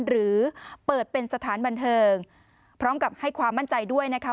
หรือเปิดเป็นสถานบันเทิงพร้อมกับให้ความมั่นใจด้วยนะคะ